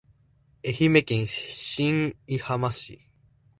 愛媛県新居浜市